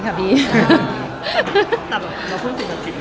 เจนนี่กะลุนค่ะพี่